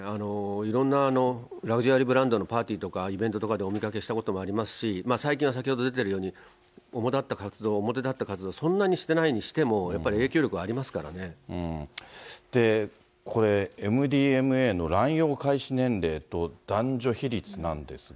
いろんなラグジュアリーブランドのパーティーとかイベントとかでお見かけしたこともありますし、最近は先ほど出てたように、主だった活動、表立った活動、そんなにしてないにしても、やっぱり影で、これ、ＭＤＭＡの乱用開始年齢と男女比率なんですが。